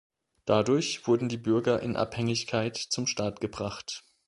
Dadurch wurden die Bürger in Abhängigkeit zum Staat gebracht.